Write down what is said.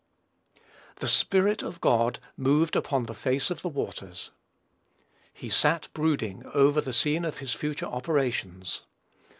"The Spirit of God moved upon the face of the waters." He sat brooding over the scene of his future operations.